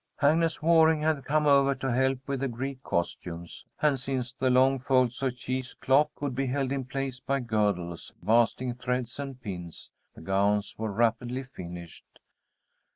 Agnes Waring had come over to help with the Greek costumes, and since the long folds of cheesecloth could be held in place by girdles, basting threads, and pins, the gowns were rapidly finished.